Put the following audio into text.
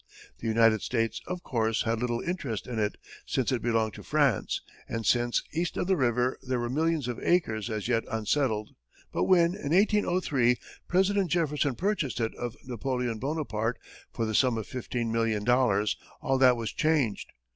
The United States, of course, had little interest in it, since it belonged to France, and since, east of the river, there were millions of acres as yet unsettled; but when, in 1803, President Jefferson purchased it of Napoleon Bonaparte for the sum of fifteen million dollars, all that was changed.